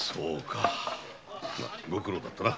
ご苦労だったな。